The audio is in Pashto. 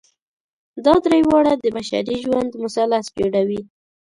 دا درې واړه د بشري ژوند مثلث جوړوي.